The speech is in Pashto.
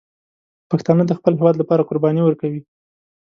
پښتانه د خپل هېواد لپاره قرباني ورکوي.